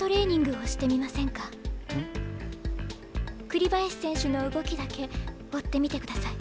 栗林選手の動きだけ追ってみてください。